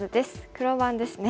黒番ですね。